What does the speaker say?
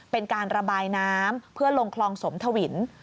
เป็นการระบายน้ำเพื่อลงคลองสมทวิน